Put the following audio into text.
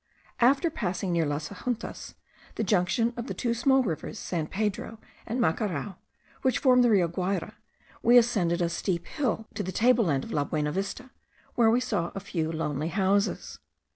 After passing, near Las Ajuntas, the junction of the two small rivers San Pedro and Macarao, which form the Rio Guayra, we ascended a steep hill to the table land of La Buenavista, where we saw a few lonely houses.